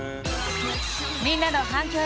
みんなの反響